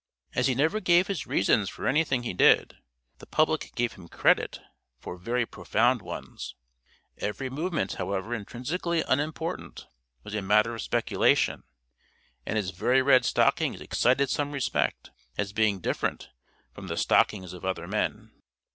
As he never gave his reasons for anything he did, the public gave him credit for very profound ones; every movement, however intrinsically unimportant, was a matter of speculation; and his very red stockings excited some respect, as being different from the stockings of other men.